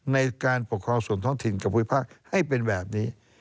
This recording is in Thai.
ในการปกครองส่วนท้องถิ่นกับภูมิภาคให้เป็นแบบนี้